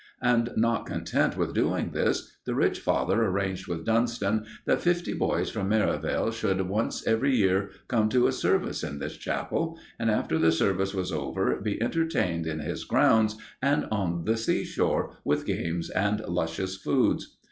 And, not content with doing this, the rich father arranged with Dunston that fifty boys from Merivale should once every year come to a service in this chapel, and, after the service was over, be entertained in his grounds and on the sea shore with games and luscious foods.